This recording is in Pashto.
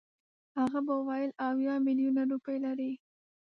هغه به ویل اویا میلیونه روپۍ لري.